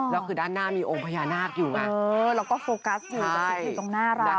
แล้วคือด้านหน้ามีองค์พญานาคอยู่นะเออแล้วก็โฟกัสอยู่กับสิทธิตรงหน้าเรา